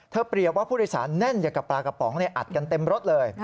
เปรียบว่าผู้โดยสารแน่นอย่างกับปลากระป๋องอัดกันเต็มรถเลย